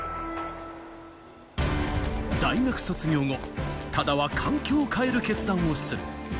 大学卒業後、多田は環境を変える決断をする。